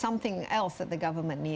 masalah yang terjadi